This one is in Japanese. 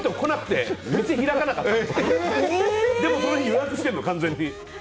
でもその日、予約してるの完全に。